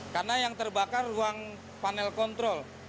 karena yang terbakar ruang panel kontrol